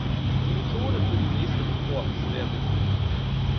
Die Methode für die nächste Reform ist sehr wichtig.